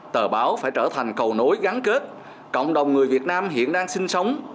tờ báo phải trở thành cầu nối gắn kết cộng đồng người việt nam hiện đang sinh sống